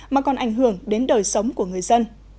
mà còn ảnh hưởng đến đời sống của người dân